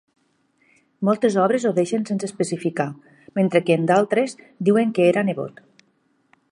Moltes obres ho deixen sense especificar, mentre que en d'altres diuen que era nebot.